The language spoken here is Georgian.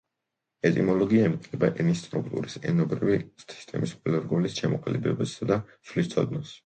ეტიმოლოგია ემყარება ენის სტრუქტურის ენობრივი სისტემის ყველა რგოლის ჩამოყალიბებისა და ცვლის ცოდნას.